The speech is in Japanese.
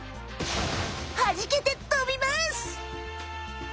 はじけて飛びます！